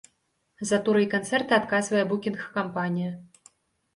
За туры і канцэрты адказвае букінг-кампанія.